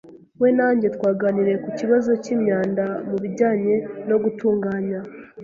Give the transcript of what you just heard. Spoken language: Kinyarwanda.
We na njye twaganiriye ku kibazo cyimyanda mubijyanye no gutunganya.